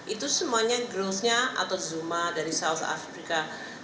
itu semuanya growth nya atau zuma dari south africa